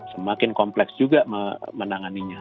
semakin kompleks juga menanganinya